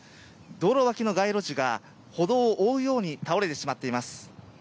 道路脇の街路樹が歩道を覆うように倒れてしまっています。